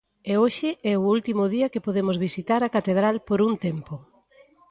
E hoxe é o último día que podemos visitar a catedral por un tempo.